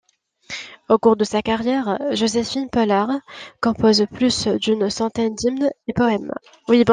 Au cours de sa carrière, Josephine Pollard compose plus d'une centaine d'hymnes et poèmes.